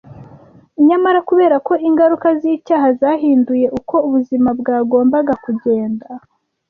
Nyamara kubera ko ingaruka z’icyaha zahinduye uko ubuzima bwagombaga kugenda